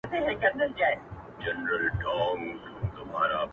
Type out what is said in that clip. o په دې دنيا کي ګوزاره وه ښه دى تېره سوله,